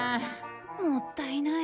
もったいない。